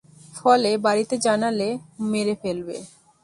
বলে, বাড়িতে জানালে মেরে ফেলবে।